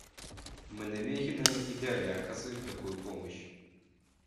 Мы намерены и далее оказывать такую помощь.